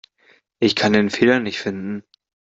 Ich kann den Fehler nicht finden.